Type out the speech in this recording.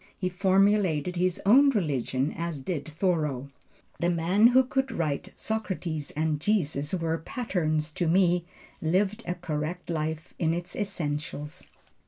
He formulated his own religion as did Thoreau. The man who could write, "Socrates and Jesus were patterns to me" lived a correct life in its essentials.